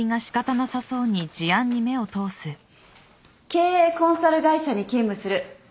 経営コンサル会社に勤務する女性Ａさん